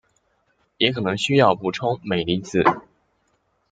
也可能需要补充镁离子。